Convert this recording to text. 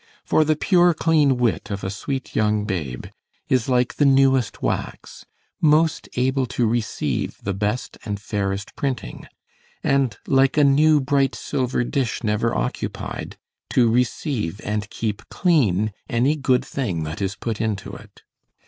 For the pure clean wit of a sweet young babe is like the newest wax, most able to receive the best and fairest printing; and like a new bright silver dish never occupied, to receive and keep clean any good thing that is put into it.